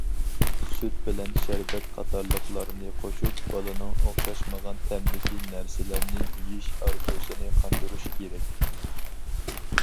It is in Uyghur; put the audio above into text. سۈت بىلەن شەربەت قاتارلىقلارنى قوشۇپ، بالىنىڭ ئوخشاشمىغان تەمدىكى نەرسىلەرنى يېيىش ئارزۇسىنى قاندۇرۇش كېرەك.